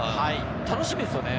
楽しみですよね。